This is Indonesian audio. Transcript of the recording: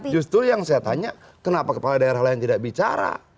justru yang saya tanya kenapa kepala daerah lain tidak bicara